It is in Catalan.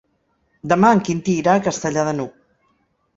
Demà en Quintí irà a Castellar de n'Hug.